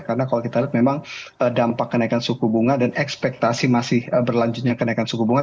karena kalau kita lihat memang dampak kenaikan suku bunga dan ekspektasi masih berlanjutnya kenaikan suku bunga